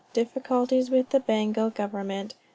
DIFFICULTIES WITH THE BENGAL GOVERNMENT.